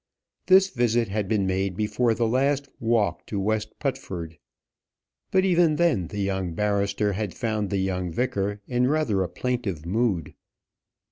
This visit had been made before the last walk to West Putford; but even then the young barrister had found the young vicar in rather a plaintive mood.